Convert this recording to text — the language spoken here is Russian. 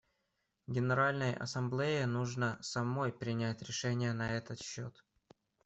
Генеральной Ассамблее нужно самой принять решение на этот счет.